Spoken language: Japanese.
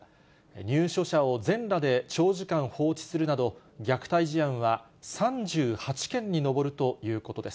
入所者を全裸で長時間放置するなど、虐待事案は３８件に上るということです。